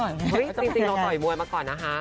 เพราะจริงเราต่อยมวยมาก่อนนะคะ